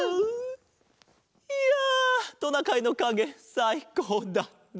いやトナカイのかげさいこうだった！